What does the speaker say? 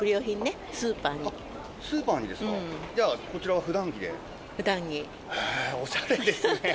スーパーにですか？